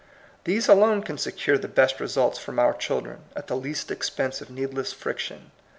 These alone can secure the best results from our children, at the least expense of needless friction.